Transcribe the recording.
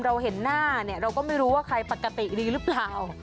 เราเห็นหน้าเนี่ยเราก็ไม่รู้ว่าใครปกติดีหรือเปล่า